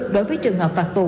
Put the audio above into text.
đối với trường hợp phạt tù